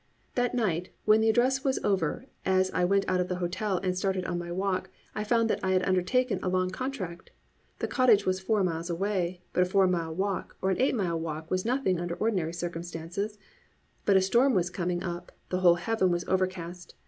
That night, when the address was over as I went out of the hotel and started on my walk, I found that I had undertaken a large contract. The cottage was four miles away, but a four mile walk or an eight mile walk was nothing under ordinary circumstances, but a storm was coming up, the whole heaven was overcast.